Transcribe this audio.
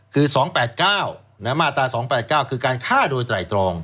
คือ๒๘๙มาตรา๒๘๙คือการฆ่าโดยไตรตรอง